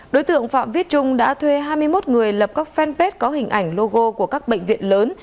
đối tượng phạm viết trung đã thuê hai mươi một người lập các fanpage có hình ảnh logo của các bệnh viện lớn